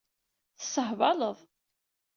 Tessehbaleḍ.